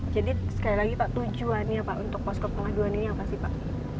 jadi sekali lagi pak tujuannya pak untuk posko pengaduan ini apa sih pak